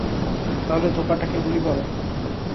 তাহলে ধোপাটাকে গুলি করো!